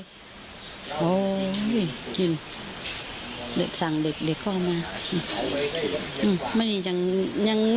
โอ้ยกินแกสั่งเด็กก็เอามา